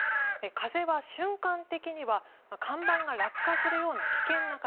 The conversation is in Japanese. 風は瞬間的には看板が落下するような危険な風。